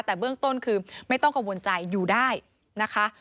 แต่เบื้องต้นคือไม่ต้องกังวลใจอยู่ได้นะคะ